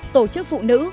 tổ chức phụ nữ